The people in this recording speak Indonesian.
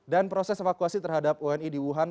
dan proses evakuasi terhadap wni di wuhan